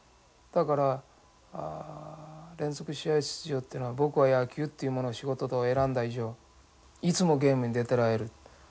だから連続試合出場ってのは僕は野球っていうものを仕事と選んだ以上いつもゲームに出てられる。